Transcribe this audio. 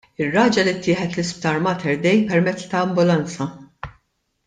Ir-raġel ittieħed l-Isptar Mater Dei permezz ta' ambulanza.